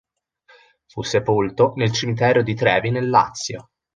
Fu sepolto nel cimitero di Trevi nel Lazio.